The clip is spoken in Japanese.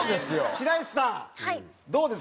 白石さんどうですか？